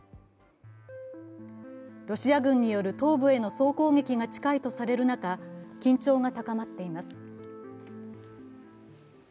ロシア軍による東部への総攻撃が近いとされる中、緊張が高まっています。